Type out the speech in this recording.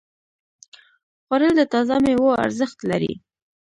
خوړل د تازه ميوو ارزښت لري